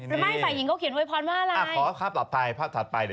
ถ้าถ้าหาข้าพักก็ให้ดู